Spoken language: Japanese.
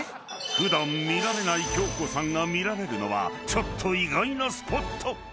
［普段見られない恭子さんが見られるのはちょっと意外なスポット］